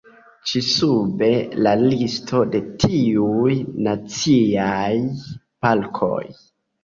Ĉi sube la listo de tiuj naciaj parkoj.